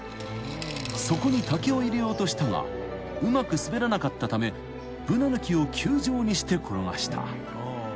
［そこに竹を入れようとしたがうまく滑らなかったためブナの木を球状にして転がした］